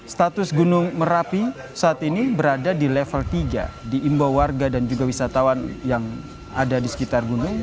status gunung merapi saat ini berada di level tiga di imbau warga dan juga wisatawan yang ada di sekitar gunung